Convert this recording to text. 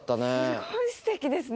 すごいすてきですね。